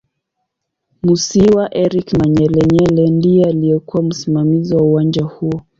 Musiiwa Eric Manyelenyele ndiye aliyekuw msimamizi wa uwanja huo